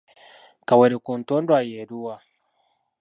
Kawere ku ntondwa ye eluwa?